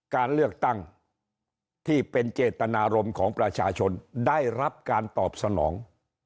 การเลือกตั้งที่เป็นเจตนารมณ์ของประชาชนได้รับการตอบสนอง